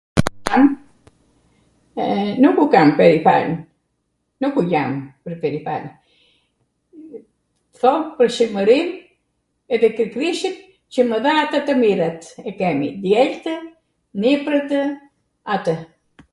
nuku kam perifan, nukw jam pwr perifan, thom pwr Shwrmwrinw edhe tw Krishtit qw mw dha twr tw mirat, kemi djeltw, niprwtw, atw.